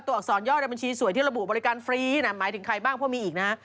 อักษรยอดในบัญชีสวยที่ระบุบริการฟรีหมายถึงใครบ้างเพราะมีอีกนะฮะ